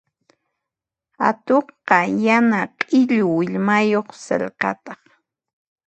Atuqqa yana q'illu willmayuq sallqataq.